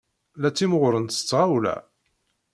La ttimɣurent s tɣawla.